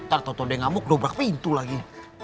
ntar toto deh ngamuk dobrak pintu lagi